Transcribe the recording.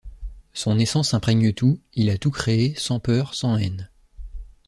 Son Essence imprègne tout, il a tout créé, sans peur, sans haine.